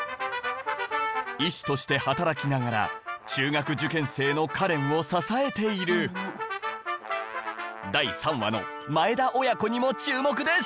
医師として働きながら中学受験生の花恋を支えている第３話の前田親子にも注目です！